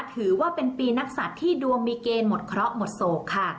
ถือว่าเป็นปีนักศัตริย์ที่ดวงมีเกณฑ์หมดเคราะห์หมดโศกค่ะ